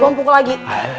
gue pukul lagi